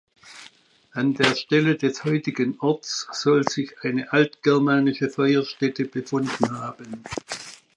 An der Stelle des heutigen Orts soll sich eine altgermanische Feuerstätte befunden haben.